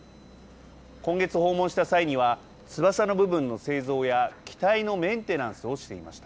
今月訪問した際には翼の部分の製造や機体のメンテナンスをしていました。